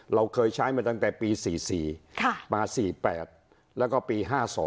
เราเคยใช้มาตั้งแต่ปี๔๔มา๔๘แล้วก็ปี๕๒